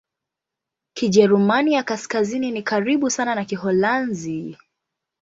Kijerumani ya Kaskazini ni karibu sana na Kiholanzi.